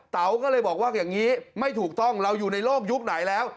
เต๋าก็เลยบอกว่าอย่างนี้ไม่ถูกต้องเราอยู่ในโลกยุคไหนแล้ว